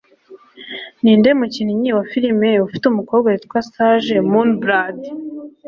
Ninde mukinnyi wa film ufite umukobwa witwa Sage Moonblood?